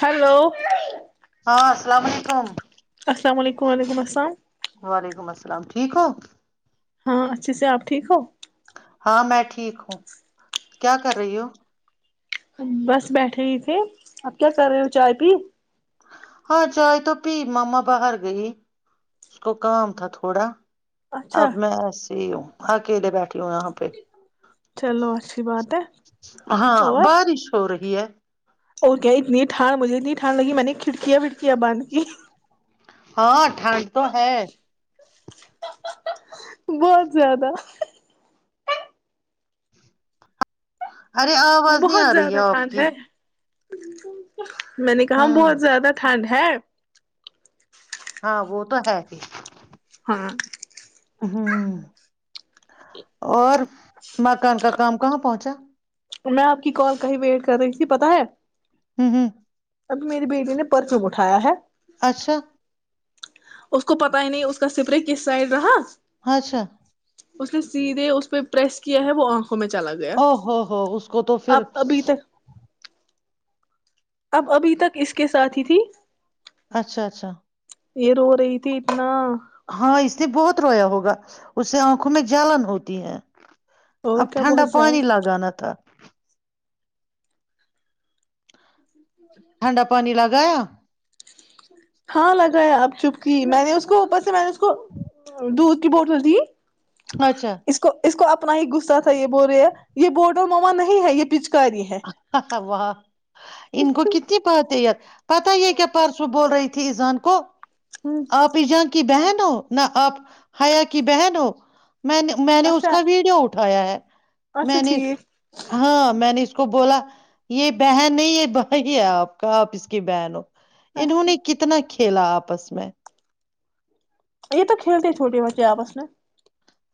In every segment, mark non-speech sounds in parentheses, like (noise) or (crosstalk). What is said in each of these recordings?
hello ہاں السلام علیکم السلام علیکم وعلیکم السلام سلام ٹھیک ہو ہاں اچھے سے آپ ٹھیک ہو ہاں میں ٹھیک ہوں کیا کر رہی ہووں بس بیٹھے ہی تھے اب کیا کر رہے ہو چائے پی ہاں جائے تو پ ماما باہر گئی اس کو کام تھا تھوڑا اچھا اب میں ایسے ہی ہوں آ کےدے بیٹھی ہو آ آاں پہ چلو اچھی بات ہے اور گ ہے اور کیا اتنی ٹان مجھےت ٹھان لگ میں نےھڑیاکیا کیا بان کی ہاں ٹھنڈ تو ہے بہت زیادہ ارے آواز نہیں آ رہی ہے آپ کی ج میں نے کہا بہت ہوں زیادہ ٹھنڈ ہے ہاں ہاں وہ تو ہے پ ہاں (unintelligible) ہ اور مکان کا کام کہاں پہنچا (unintelligible) میں آپ کی کال کہیں ویٹ کر رہی تھی پتا ہے ہوں ہوں (unintelligible) ابھی میری بیٹی نے پرچوں اٹھایا ہے اچھا (unintelligible) اس کو پت ہی نہیں اس کا سپرے کس سائڈ رہا ااںچھا (unintelligible) اس نے سیدھے اس پہ پریس کیا ہے وہ میں چلا گیا او ہو ہو اس کو تو پھر اب ابھی تک اب ابھی تک اس کے ساتھی تھی اچھا اچھا (unintelligible) یہ رو رہی تھی اتنا ہاں (unintelligible) بہت رویا ہوگا اس سے آنکھوں میں جلن ہوتی ہے (unintelligible) اور اب کیا ٹھنڈا بہت زیادہ پانی لگانا تھا ٹھنڈا پانی لگایا ہاں لگایا اب چپکی میں نے اس کو ا بس سے میں نے اس کو ہ (inaudible) دودھ کی بوٹل ت (unintelligible) اچھا اس کو اس کو آپ (unintelligible) نا ہی گغصہ تھا یہ بول رہے ہے یہ بورڈ اور موا نہیں ہے یہ پچ کے (unintelligible) واہ ان کو کتنی بات ہے (unintelligible) پتا یہ کیا پرسوں بول رہی تھی ایزان کو ہ آپ ایجان کی بہن ہو نہ آپ حیا کی بہن ہو میں نے میں نے اس اچھا کا ویڈیو اٹھ ہو ہے اچھا میں نے ٹھیک ہاں میں نے کو بولا یہ بہن نہیں یہ ب آپ کا آپ اس کی بہن ہو اننہوں نے اچھا کتنا کھیلا آپس میں یہ تو کھیلتے ہیں چھوٹے بچے آپس میں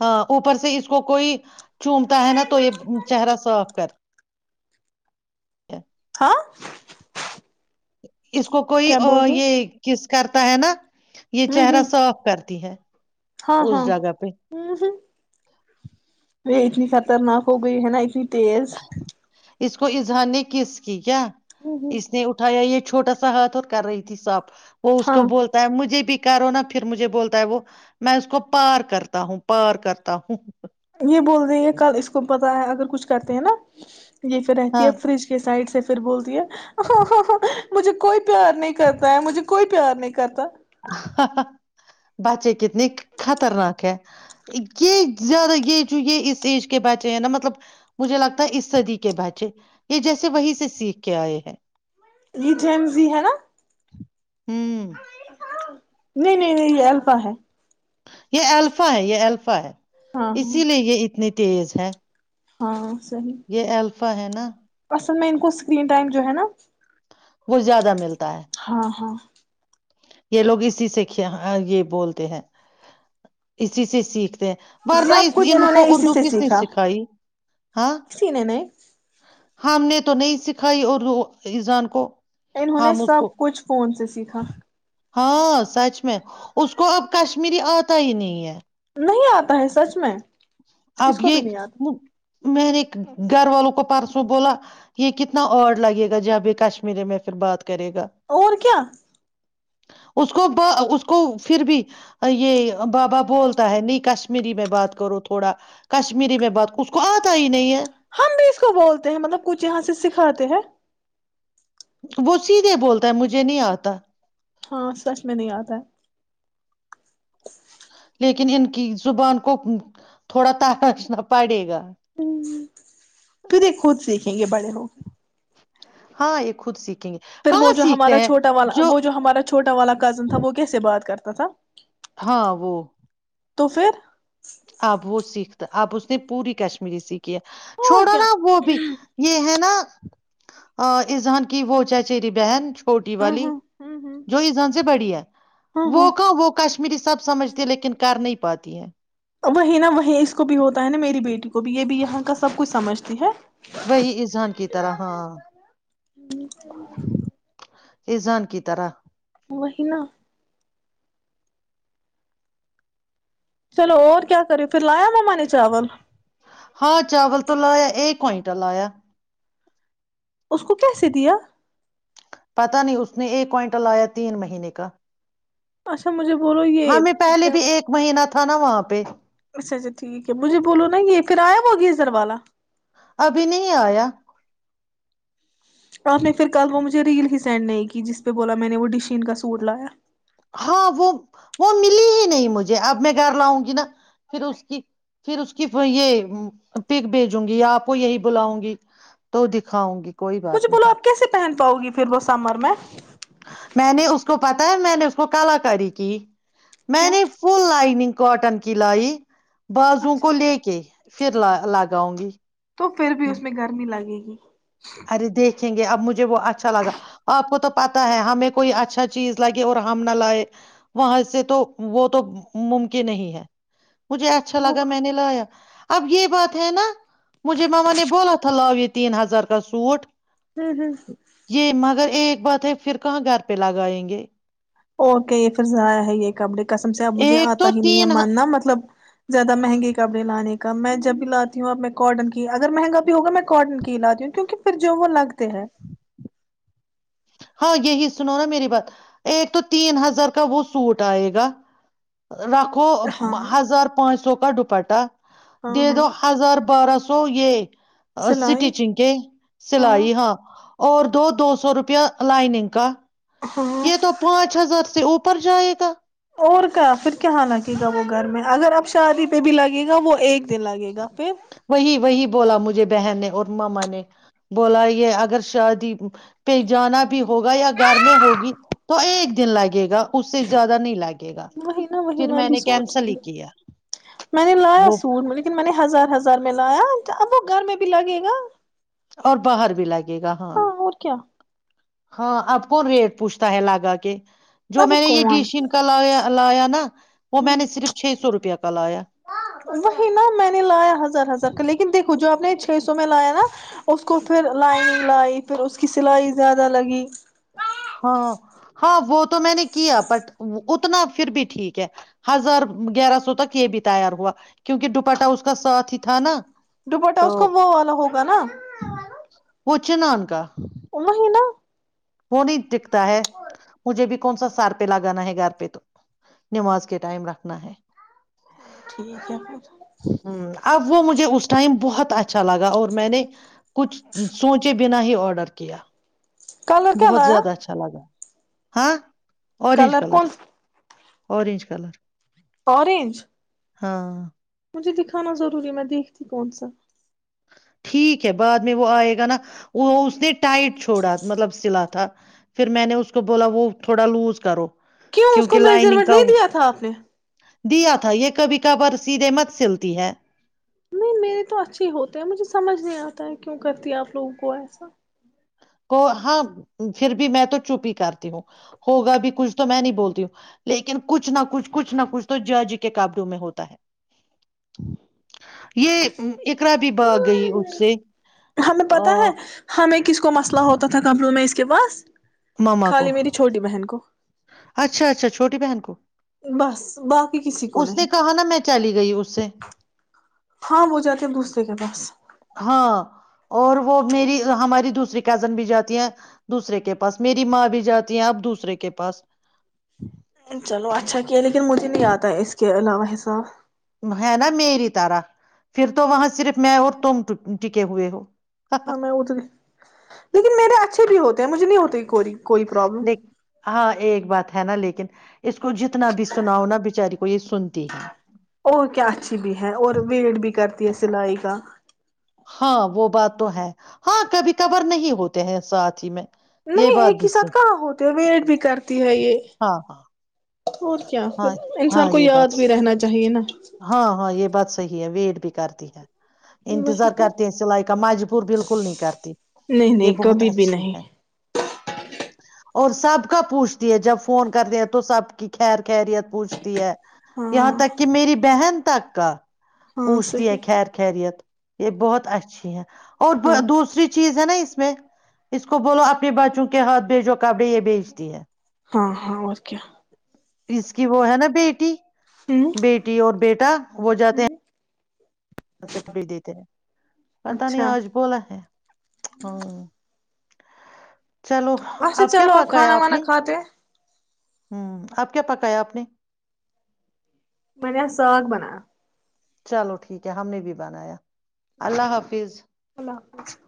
ہاں اوپر سے اس کو کوئی چومتا ہے نا تو یہ چہرہ صاف کر اچھ ہاں (unintelligible) اس کو کوئی کیا بول رہے یہ کس کرتا ہے نا یہ ہ چہرہ ہ صاف کرتی ہے ہاں اس ہاں جگہ پہ ہ ہ اتنی خطرناک ہوی کوئی ہے نا اس تیز اس کو اظہا نے کس کی کیا ہ ہ اس نے اٹھایا یہ چھوٹا سا ہاتھ اور کر رہی تھی صاف وہ اس ہاں کو بولتا ہے مجھے بھی کرو نا پھر مجھے بولتا ہے وہ میں اس کو پار کرتا ہوں پار کرتا ہوں یہ بول رہی ہے کل اس کو اگر کچھ کرتے ہیں نا یہ پھر رہتی ہاں ہے فریج کے سائڈ سے پھر بولتی ہے ا ہو ہو مجھے کوئی پیار نہیں کرتا ہے مجھے کوئی پیار نہیں کرتا بچے کتنے خطرناک ہے یہ زیادہ یہ جو یہ اس ایج کے بہچے ہیں نا مطلب مجھے لگتا ہے اس سدی کے بہچے یہ جیسے وہی سے سیکھ کے آئے ہیں ج جمز ہے نا ہوں نہیں نہیں نہیں یہ الفا ہے یہ الفا ہے یہ الفا ہے ہاں اسی ہاں لیے یہ اتنے تیز ہے ہاں صحیح یہ الفا ہے نا میں ان کو اسکرین ٹائم جو ہے نا وہ زیادہ ملتا ہے ہاں ہاں یہ لوگ اسی سے یہ بولتے ہیں اسی سے سیکھ ہیں ورنہ سب کچھ ان انہوں کو نے اسی اردو سے کس نے سیکھا سکھائی ہاں کسی نے نہیں ہم نے تو نہیں سکھائی اردو اذان کو انہوں نے ہم اس سب کو کچھ فون سے سیکھا ہاں سچ میں اس کو اب کشمیری آتا ہی نہیں ہے نہیں آتا ہے سچ میں اس اب کو بھی نہیں آتا یہ میں نے گھر والوں کو پرسوں بولا یہ کتنا آڈ لگے گا جب یہ کشمیری میں پھر بات کرے گا اور کیا اس کو اس کو پھر بھی یہ بابا بولتا ہے نہیں کشمیری میں بات کرو تو تھوڑا کشمیری میں بات اس کو آتا ہی نہیں ہے ہم اس کو بولتے ہیں مطلب کچھ یہاں سے سکھاتے ہیں وہ سیدھے بولتا ہے مجھے نہیں آتا ہاں سچ میں نہیں آتا ہے لیکن ان کی زبان کو تھوڑا ترشنا پڑے گا تو دے خود سیکھیں گے بڑے ہوگئے ہاں یہ خود سیکھ پھر وہ جو ہمارا چھوٹا والا وہ جو ہمارا چھوٹا والا کزن تھا وہ کیسے بات کرتا توسا ہاں وہ تو پھر تو آپ اس نے پوری کشمیری سیکھ اور چھوڑو کیا نا وہ بھی یہ ہے نا اس جان کی وہ چچیری بہن پوٹی ہاں والی ہاں ہوں ہوں جو ایزان سے بڑی ہے ہاں ہاں وہ کہ وہ کش کشمیری سب سمجھتی لیکن کر نہیں پاتی ہے وہی نا وہیں اس کو بھی ہوتا ہے نا میری بیٹی کو بھی یہ بھی یہاں کا سب کچھ سمجھتی ہے وہی اذان کی طرح ہاں ازان کی طرح وہی نا چلو اور کیا کری پھر لایا مما نے چاول ہاں چاول تو لایا ایک کونٹا لایا اس کو کیسے دیا پتا نہیں اس نے ایک کوئنٹل لایا تین مہینے کا اچھا مجھے بولو یہ ہمیں پہلے کیا بھی ایک مہینہ تھا تھا نا وہاں پہ اچھا اچھا ٹھیک ہے مجھے بولو نا یہ کرایہ ہوگیا ادھر والا ابھی نہیں آیا آپ نے پھر کال وہ مجھ ریل ہی سینڈ نہیں کی جس پہ بولا میں نے وہ ڈیشین کا سوٹ لایا ہاں وہ وہ ملی ہی نہیں مجھے اب میں گھر لاؤں گی نا پھر اس کی پھر اس کی یہ پک بھیجوں گی یا آپ کو یہی بلاؤں گی تو دکھاؤں گی کوئی بات نہیں پ کیس پہن پؤی پھر بس سمر میں میں نے اس کو پتا ہے میں نے اس کو کلاکاری کی میں کیا نے فل لائننگ کاٹن کی لائی باازووں کو اچھا لے کے پھر لا لاگ آؤں گی تو پھر بھی اس میں گرمی لگے گی جی ہر دے دھیں گے اب مجھے وہ اچھا لگا آپ کو تو پتا ہے ہمیں کوئی اچھا چیز لگے اور ہم نہ لائے وہاں سے تو وہ تو ممکن ہی ہے مجھے اچھا وہ لگا میں بات نے لایا اب یہ بات ہے نا مجھے ماما نے بولا تھا لاؤو یہ تین ہزار کا سوٹ ہوں ہوں یہ مگر ایک بات ہے پھر کہاں گھر پہ لاگائیں گے اوک یہ پھر ذریا ہے یہ کمڑے کسم سے اب مجھے ایک آتا تو ہی نہیں ہے تین ماننا مطلب زیاد مہنگے کپڑے لانے میں جب بھی لاتی ہوں اب میں کاٹن کی اگر مہنگا بھی ہوگا میں کاٹن کی ہی لاتی ہوں کیونکہ پھر جو وہ لگتے ہیں ہاں یہی سنو نا میری بات ایک تو تین ہزار کا وہ سوٹ آئے گا رکھو ہاں ہزار پانچ سو کا ڈ پٹا ہاں دے ہاں دو ہزار بارہ سو سو یہ اس سلائی ٹیچنگ کے سلائی ہاں اور دو دو سو روپیہ لائنن کا ہاں یہ تو پانچ ہزار سے اوپر جائے گا اور کیا پھر کیااں لگے گا وہ گھر میں اگر آپ شادی پہ بھی لگے گا وہ ایک دن لگے گا پھر وہی وہی بولا مجھے بہن نے اور مما نے بولا یہ اگر شادی پہ جانا بھی ہوگا یا گھر میں ہوگی تو ایک دن لگے گا اس سے زیادہ نہیں لگے گا وہی نا وہی پھر میں بھی نے سوچ کینسل ہی رہی کیا میں نے لایا وہ سوٹ لیکن میں نے ہزار ہزار میں لایا اب وہ گھر میں بھی لگے گا اور باہر بھی لگے گا ہاں اور کیا ہاں آب کون ریٹ پوچھتا ہے لاگا کے جو ارے میں نے یہ جیشن کا لایا اللہ نا وہ میں نے صرف چھ سو روپیہ کا لایا ہ وہی نا میں نے لایا ہزار ہزار کا لیکن دیکھو جو آپ نے چھ سو میں لایا نا اس کو پھر لائننگ لائی پھر اس کی سلائی زیادہ لگی ہاں ہاں وہ تو میں نے کیا بٹ اتنا پھر بھی ٹھیک ہے ہزار گیارہ سو تک یہ بھی تیار ہوا کیونکہ ڈپٹا اس کا ساتھ ہی تھا نا دوپٹا تو اس کو وہ والا ہوگا نا اچنان کا ام ہی نا وہ نہیں دٹکتا ہے مجھے بھی کون سا سار پہ لگانا ہے گھر پہ تو نماز کے ٹائم رکھنا ہے ہ چلو ٹھیک ہے اب وہ مجھے اس ٹائم بہت اچھا لگا اور میں نے کچھ سوچے بنا ہی آڈر کیا کلر کیا بہت لایا زیادہ اچھا لگا ہاں کلر کون اورنج کلر اورورنج ہاں مجھے دکھانا ضروری میں دیکھتی کون سا ٹھیک ہے بعد میں وہ آئے گا نا وہ اس نے ٹائٹ چھوڑا مطلب سلا تھا پھر میں نے اس کو بولا وہ تھوڑا لوز کرو کیوں اس کو کیونکہ لائننگ میجرمنٹ کا نہیں دیا تھا آپ نے دیا تھا یہ کبھی کبھار سیدھے مت سلتی ہے نہیں میرے تو اچھے ہی ہوتے ہیں مجھے سمجھ نہیں آتا ہے کیوں کرتی آپ لوگوں کو ایسا کو ہاں پھر بھی میں تو چپ ہی کرتی ہوں ہوگا بھی کچھ تو میں نہیں بولتی ہوں لیکن کچھ نہ کچھ کچھ نہ کچھ تو جاجی کے کابڈوں میں ہوتا ہے یہ اقر بھی ب آ گئی اس سے ہمیں آ، پتا ہے ہمیں کیا ک کو مئلہ ہوتا تھا کمپرومائز کیمس ماما کو اچھا اچھا چھوٹی بہن کو بس باقی کسی کو اس نے نہیں کہا نا میں چلی گئی اس سے ہاں وہ جاتے ہیں دوسرے کے پاس ہاں اور وہ میری ہماری دوسری کزن بھی جاتی ہیں دوسرے کے پاس میری ماں بھی جاتی ہیں اب دوسرے کے پاس چلو اچھا کیا لیکن مجھے نہیں آدتا ہے اس کی کے علاوہ حساب ہے نا میری تارہ پھر تو وہاں صرف میں اور تم ٹکے ہوئے ہو ہاں میں اتری لیکن میرے اچھے بھی ہوتے مجھ نہیں ہوتی ہی کووری کوئی پروابلم لیک ہاں ایک ایک بات ہے نا لیکن اس کو جتنا بھی سناؤ نا بچاری کو یہ سنتی ہے اور کیا اچھی بھی ہے اور ویٹ بھی کر سلئے کاا ہاں وہ بات تو ہے ہاں کبھی کبر نہیں ہوتے ہیں ساتھ ہی میں یہ نہیں بات ایک بھی ہی صحیح ساتھ کہاں ہوتے ہیں ویٹ بھی کرتی ہے یہ ہاں ہاں اور کیا ہاں پھر انسان ہاں کو یہ بات یاد بھی رہنا چاہیے نا ہاں ہاں یہ بات صحی ہے ویٹ بھی کرتی ہے وہی انتظار تو کرتے ہیں سلائی کا مجبور بالکل نہیں کرتی نہیں یہ نہیں بہت کبھی بھی اچھی نہیں ہے اور سب کا پوچھتی ہے جب فون کرتے ہیں تو سب کی خیر خیریت پوچھتی ہے یہاں ہاں تک کہ میری بہن تک ہاں پوچھتی ہے صحیح خیر خیریت یہ بہت اچھی ہیں اور ہاں دوسری چیز ہے نا اس میں اس کو بولو اپنے بچوں کے ہاتھ بھیجو کپڑے یہ بھیج دی ہے ہاں ہاں اوکے اس کی وہ ہے نا بیٹی ہوں بیٹی اور بیٹا وہ جاتے ہیں ے خریدیتے ہیں پتا نہیں اچھا آج بولا ہے ہ اچھا اب کیا چلو آپ کھانا وانا نے کھاتے ہیں ہوں اپ کیا پکایا آپ نے میں نے آ ساگ بنا چلو ٹھیک ہے ہم نے بھی بنایا اللہ حافظ اللہ حافظ